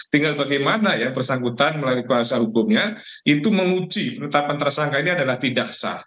tinggal bagaimana ya bersangkutan melalui kuasa hukumnya itu menguji penetapan tersangka ini adalah tidak sah